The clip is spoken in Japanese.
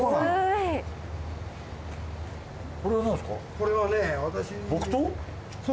これはね私。